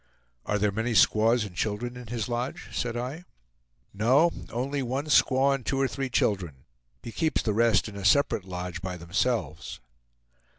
"Are there many squaws and children in his lodge?" said I. "No; only one squaw and two or three children. He keeps the rest in a separate lodge by themselves."